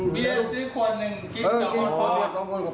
เบี้ย๓คน๑กิน๒คนกับพ่อ